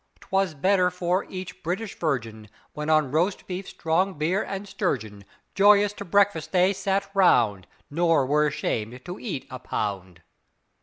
"'Twas better for each British virgin, When on roast beef, strong beer and sturgeon, Joyous to breakfast they sat round, Nor were ashamed to eat a pound."